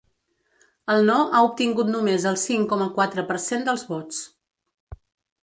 El no ha obtingut només el cinc coma quatre per cent dels vots.